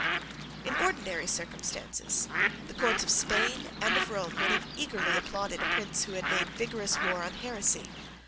In ordinary circumstances the courts of Spain and of Rome would have eagerly applauded a prince who had made vigorous war on heresy.